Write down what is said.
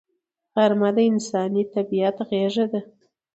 غرمه د انساني طبیعت غېږه ده